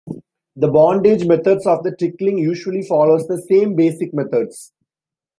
The bondage methods of the tickling usually follows the same basic methods.